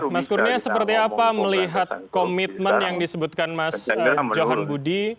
mas kurnia seperti apa melihat komitmen yang disebutkan mas johan budi